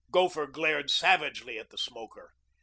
Gopher glared savagely at the smoker.